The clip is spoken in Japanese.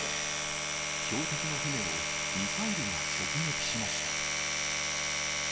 標的の船をミサイルが直撃しました。